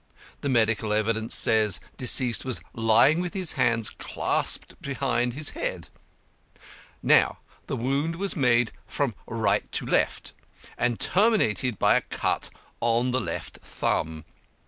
The medical evidence says deceased was lying with his hands clasped behind his head. Now the wound was made from right to left, and terminated by a cut on the left thumb.